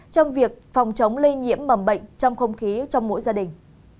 trong việc phòng chống lây nhiễm mầm bệnh trong không khí trong mỗi gia đình